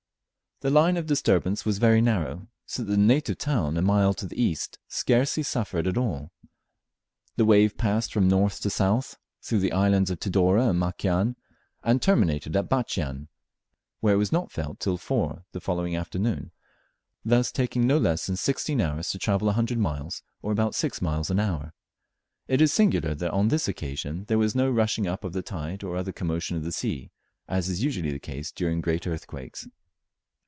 The line of disturbance was very narrow, so that the native town a mile to the east scarcely suffered at all. The wave passed from north to south, through the islands of Tidore and Makian, and terminated in Batchian, where it was not felt till four the following afternoon, thus taking no less than sixteen hours to travel a hundred miles, or about six miles an hour. It is singular that on this occasion there was no rushing up of the tide, or other commotion of the sea, as is usually the case during great earthquakes.